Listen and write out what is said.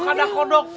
gak ada kodok